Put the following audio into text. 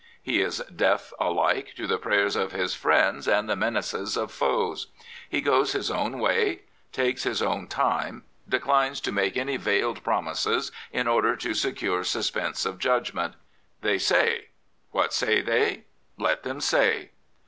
He is deaf alike to the prayers of friends and the menaces of foes. He goes his own way, takes his 75 Prophets, Priests, and Kings own time, declines to make any veiled promises in order to secure suspense of judgment. " They say. What say they? Let them say."